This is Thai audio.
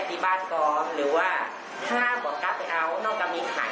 โดยรายว่าดูว่าจะได้เป็นโควิดซะหน่อย